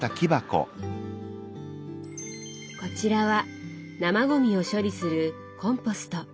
こちらは生ゴミを処理するコンポスト。